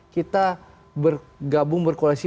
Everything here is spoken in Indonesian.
kita bergabung berkoalisi